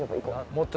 もっと。